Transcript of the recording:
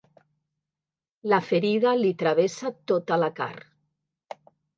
La ferida li travessa tota la carn.